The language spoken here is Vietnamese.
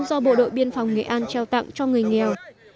do bộ đội biên phòng nghệ an trao tặng cho người nghèo